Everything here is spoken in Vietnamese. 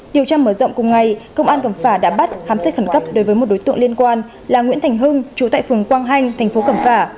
điều tra mở rộng cùng ngày công an cẩm phả đã bắt khám xét khẩn cấp đối với một đối tượng liên quan là nguyễn thành hưng chú tại phường quang hanh thành phố cẩm phả